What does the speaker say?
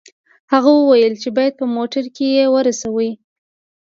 هغه وویل چې باید په موټر کې یې ورسوي